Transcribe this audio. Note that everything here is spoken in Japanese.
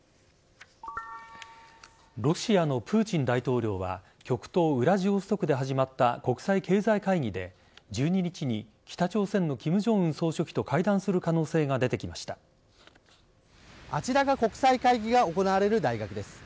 ロシアのプーチン大統領は極東ウラジオストクで始まった国際経済会議で１２日に北朝鮮の金正恩総書記とあちらが国際会議が行われる大学です。